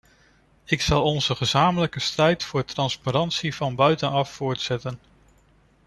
Ik zal onze gezamenlijke strijd voor transparantie van buitenaf voortzetten.